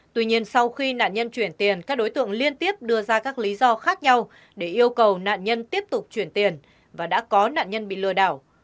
tuy nhiên sau khi nạn nhân chuyển tiền các đối tượng liên tiếp đưa ra các lý do khác nhau để yêu cầu nạn nhân tiếp tục chuyển tiền và đã có nạn nhân bị lừa đảo